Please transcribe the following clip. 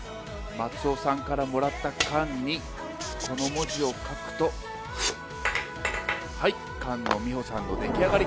松尾さんからもらった缶に、この文字を書くと、はい、菅野美穂さんの出来上がり。